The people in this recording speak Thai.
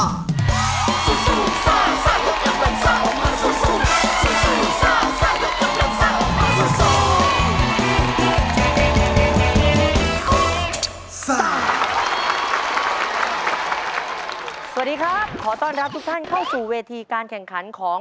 สวัสดีครับขอต้อนรับทุกท่านเข้าสู่เวทีการแข่งขันของ